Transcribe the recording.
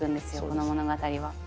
この物語は。